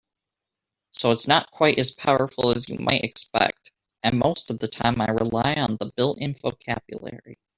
So it's not quite as powerful as you might expect, and most of the time I rely on the built-in vocabulary.